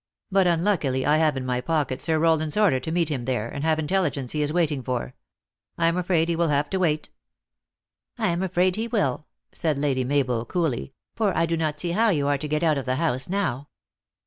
" But un luckily I have in my pocket Sir Rowland s order to meet him there, and have intelligence he is waiting for. I am afraid he will have to wait." "I am afraid, he will," said Lady Mabel, coolly, " for I do not see how you are to get out of the house now.